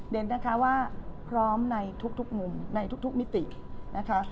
นะคะว่าพร้อมในทุกมุมในทุกมิตินะคะ